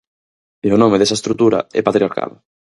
E o nome desa estrutura é patriarcado.